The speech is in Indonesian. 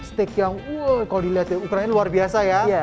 steak yang kalau dilihat ukraina luar biasa ya